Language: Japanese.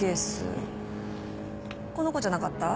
この子じゃなかった？